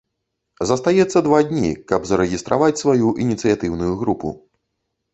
Застаецца два дні, каб зарэгістраваць сваю ініцыятыўную групу.